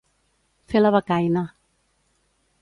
Fer la becaina.